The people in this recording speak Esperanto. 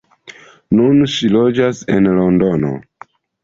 Nun ŝi loĝas en Londono.